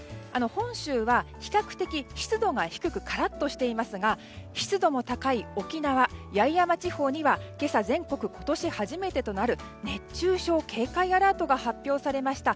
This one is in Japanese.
本州は、比較的湿度が低くカラッとしていますが湿度も高い沖縄の八重山地方には今朝、全国今年初めてとなる熱中症警戒アラートが発表されました。